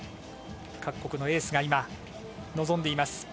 各国のエースが今、臨んでいます。